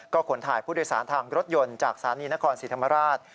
ขนถ่ายผู้โดยสารทางรถยนต์จากสถานีนครศรีธรรมราช